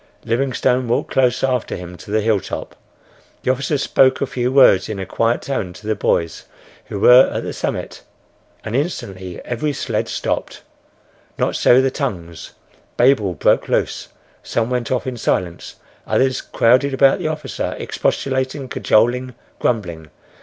Livingstone walked close after him to the hilltop. The officer spoke a few words in a quiet tone to the boys who were at the summit, and instantly every sled stopped. Not so the tongues. Babel broke loose. Some went off in silence; others crowded about the officer, expostulating, cajoling, grumbling.